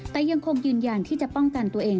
แต่ยังคงยืนยันที่จะป้องกันตัวเอง